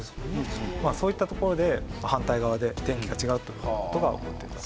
そういったところで反対側で天気が違うという事が起こっていたと思われます。